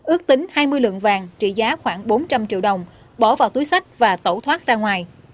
ước tính hai mươi lượng vàng trị giá khoảng bốn trăm linh triệu đồng bỏ vào túi sách và tẩu thoát ra ngoài